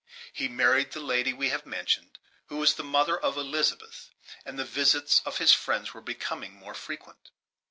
He married the lady we have mentioned, who was the mother of Elizabeth, and the visits of his friend were becoming more frequent.